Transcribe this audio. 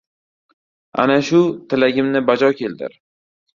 Ana shu tilagimni bajo keltir.